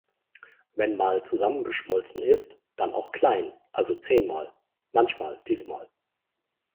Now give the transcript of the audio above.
Wenn mal zusammengeschmolzen ist, dann auch klein, also zehnmal, manchmal, diesmal.